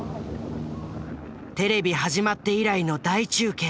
テレビ始まって以来の大中継。